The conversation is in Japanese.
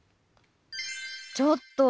ちょっと！